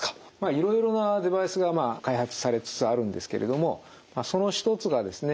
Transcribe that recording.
いろいろなデバイスが開発されつつあるんですけれどもその一つがですね